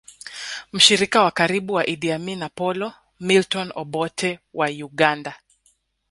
Mshirika wa karibu wa Idi Amin Apolo Milton Obote wa Uganda